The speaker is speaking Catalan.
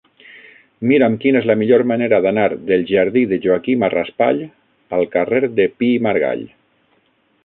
Mira'm quina és la millor manera d'anar del jardí de Joaquima Raspall al carrer de Pi i Margall.